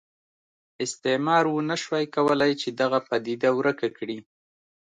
استعمار ونه شوای کولای چې دغه پدیده ورکه کړي.